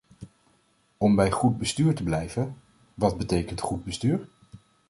Om bij goed bestuur te blijven: wat betekent goed bestuur?